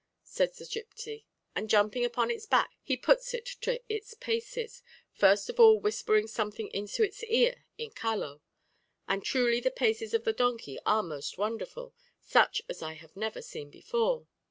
says the gipsy, and jumping upon its back, he puts it to its paces, first of all whispering something into its ear in Caló; and truly the paces of the donkey are most wonderful, such as I have never seen before.